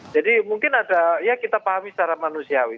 jadi mungkin ada ya kita pahami secara manusiawi